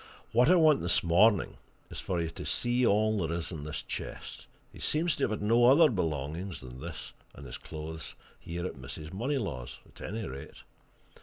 What I want this morning is for you to see all there is in this chest; he seems to have had no other belongings than this and his clothes here at Mrs. Moneylaws', at any rate.